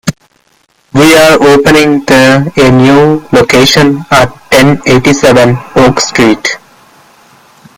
We are opening the a new location at ten eighty-seven Oak Street.